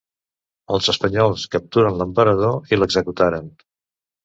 Els espanyols capturaren l'emperador i l'executaren.